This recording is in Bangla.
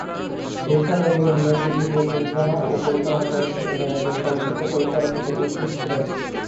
এছাড়া তিনি মিউজিক ভিডিও প্রযোজনা ও পরিচালনা করেছেন এবং একজন চলচ্চিত্র পরিচালক হতে উৎসুক ছিলেন।